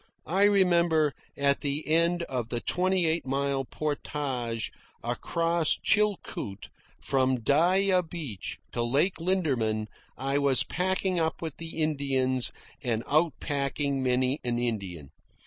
I remember, at the end of the twenty eight mile portage across Chilcoot from Dyea Beach to Lake Linderman, I was packing up with the Indians and out packing many an Indian.